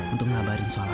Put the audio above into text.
untuk menabarin soal aida